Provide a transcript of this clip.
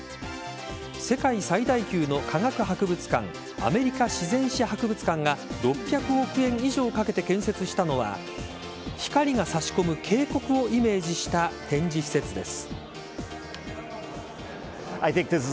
世界最大級の科学博物館アメリカ自然史博物館が６００億円以上かけて建設したのは光が差し込む渓谷をイメージした展示施設です。